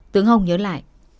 tướng hồng nhớ lại